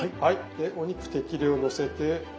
でお肉適量のせて。